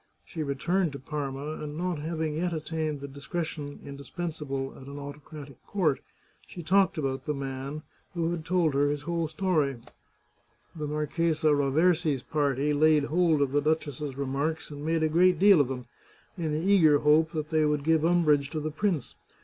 She returned to Parma, and not having yet attained the discretion indispensable at an autocratic court, she talked about the man, who had told her his whole story. The Marchesa Raversi's party laid hold of the duchess's remarks, and made a great deal of them, in the eager hope that they would g^ve umbrage to 121 The Chartreuse of Parma the prince.